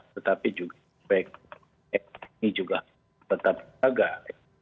tetapi juga aspek ekonomi juga tetap beragak